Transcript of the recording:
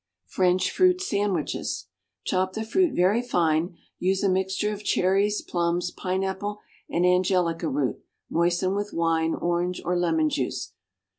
=French Fruit Sandwiches.= Chop the fruit very fine; use a mixture of cherries, plums, pineapple and angelica root; moisten with wine, orange or lemon juice.